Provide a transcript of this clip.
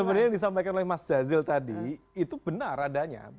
sebenarnya yang disampaikan oleh mas jazil tadi itu benar adanya